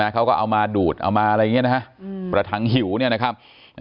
เขาก็เอามาดูดเอามาอะไรอย่างนี้นะฮะประถังหิวเนี่ยนะครับ